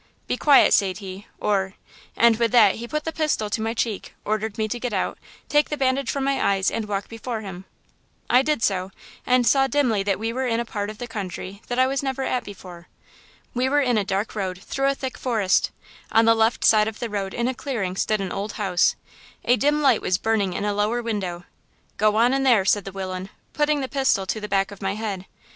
"'Be quiet,' sayd he, 'or'–And with that he put the pistil to my cheek, ordered me to get out, take the bandage from my eyes and walk before him. I did so and saw dimly that we were in a part of the country that I was never at before. We were in a dark road through a thick forest. On the left side of the road in a clearing stood an old house; a dim light was burning in a lower window. "'Go on in there,' said the willain, putting the pistil to the back of my head.